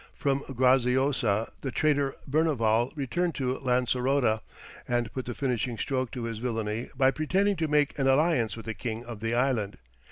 From Graziosa, the traitor Berneval returned to Lancerota, and put the finishing stroke to his villany by pretending to make an alliance with the king of the island.